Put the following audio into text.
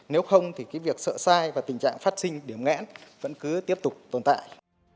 nếu không thì cái việc sợ sai và tình trạng phát sinh điểm ngẽn vẫn cứ tiếp tục tồn tại